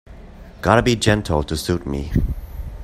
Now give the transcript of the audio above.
Gotta be gentle to suit me.